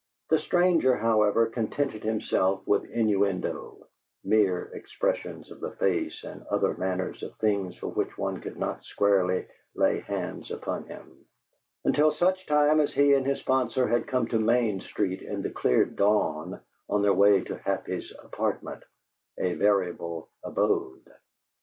The stranger, however, contented himself with innuendo (mere expressions of the face and other manner of things for which one could not squarely lay hands upon him) until such time as he and his sponsor had come to Main Street in the clear dawn on their way to Happy's apartment a variable abode.